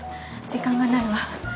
時間がないわ。